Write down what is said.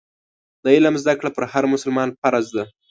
د علم زده کړه پر هر مسلمان فرض ده.